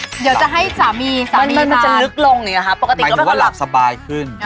เดี๋ยวจะให้สามีการมันมันจะลึกลงอย่างนี้หรอครับปกติก็ไม่ค่อยค่อยหลับหมายถึงว่าหลับสบายขึ้น